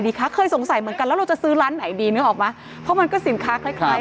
คะเคยสงสัยเหมือนกันแล้วเราจะซื้อร้านไหนดีนึกออกไหมเพราะมันก็สินค้าคล้ายคล้าย